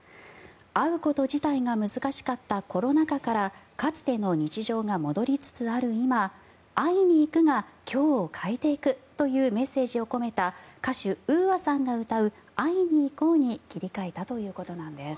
会うこと自体が難しかったコロナ禍からかつての日常が戻りつつある今会いに行くが今日を変えていくというメッセージを込めた歌手・ＵＡさんが歌う「会いにいこう」に切り替えたということなんです。